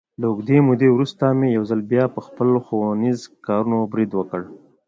له اوږدې مودې ورسته مې یو ځل بیا، په خپلو ښوونیزو کارونو برید وکړ.